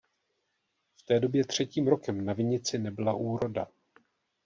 V té době třetím rokem na vinici nebyla úroda.